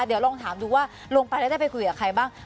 เดี๋ยวลองถามดูว่าลงไปแล้วได้ไปคุยกับใครบ้าง